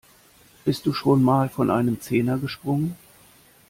Bist du schon mal von einem Zehner gesprungen?